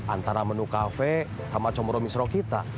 antara menu kafe sama commoro misro kita